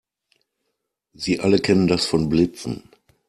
Sie alle kennen das von Blitzen.